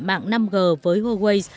mạng năm g với huawei